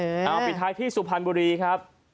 เอาปิดท้ายที่สุพรรณบุรีครับ